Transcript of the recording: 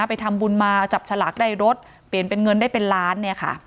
ไปทำบุญมาจับฉลากได้รถเปลี่ยนเป็นเงินได้เป็นล้านเนี่ยค่ะ